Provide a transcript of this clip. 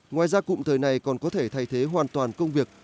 ngoài ra cụm thời này còn có thể thay thế hoàn toàn công việc